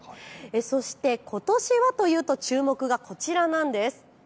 そして、ことしはというと注目がこちらなんです。